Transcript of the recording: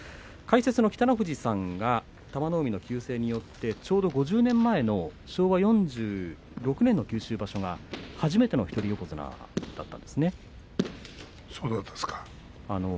北の富士さんが玉の海の急逝によってちょうど５０年前の昭和４６年の九州場所が初めての一人横綱の場所でした。